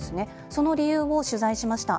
その理由を取材しました。